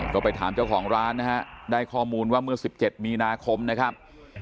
ก็ไปถามเจ้าของร้านนะฮะได้ข้อมูลว่าเมื่อ๑๗มีนาคมนะครับ